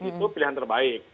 itu pilihan terbaik